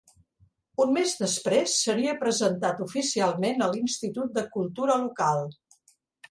Un mes després, seria presentat oficialment a l'Institut de Cultura local.